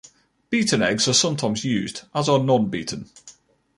Beaten eggs are sometimes used, as are non-beaten.